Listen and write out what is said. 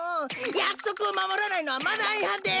やくそくをまもらないのはマナーいはんです！